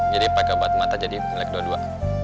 jadi pakai bat mata jadi melek dua dua